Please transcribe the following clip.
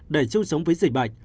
để chung sống với dịch bệnh